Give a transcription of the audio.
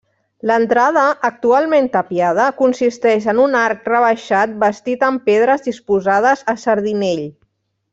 L'entrada, actualment tapiada, consisteix en un arc rebaixat bastit amb pedres disposades a sardinell.